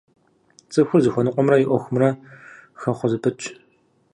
ЦӀыхур зыхуэныкъуэмрэ и Ӏуэхумрэ хэхъуэ зэпытщ.